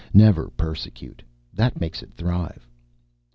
Never persecute. That makes it thrive.